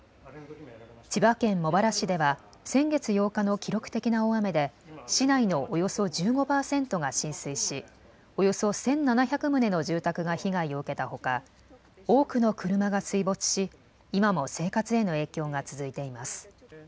千葉県茂原市では先月８日の記録的な大雨で市内のおよそ１５％が浸水しおよそ１７００棟の住宅が被害を受けたほか多くの車が水没し今も生活への影響が続いています。